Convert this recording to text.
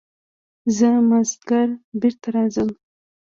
زه مازديګر بېرته راځم.